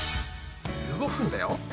１５分だよ。